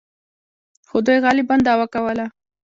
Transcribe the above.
خو دوی غالباً دعوا کوله.